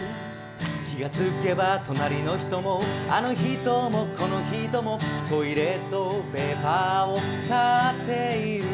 気が付けば隣の人もあの人もこの人もトイレットペーパーを買っている。